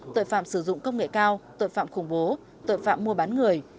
tội phạm sử dụng công nghệ cao tội phạm khủng bố tội phạm mua bán người